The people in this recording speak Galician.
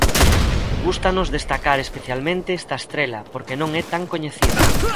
Gústanos destacar especialmente esta estrela porque non é tan coñecida.